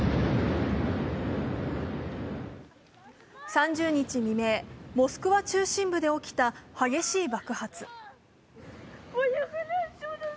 ３０日未明、モスクワ中心部で起きた激しい爆発。